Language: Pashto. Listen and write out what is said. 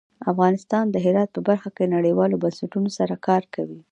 افغانستان د هرات په برخه کې نړیوالو بنسټونو سره کار کوي.